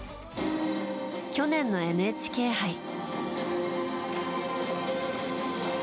去年のＮＨＫ杯。